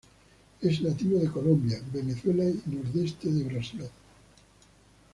Es nativo de Colombia, Venezuela y nordeste de Brasil.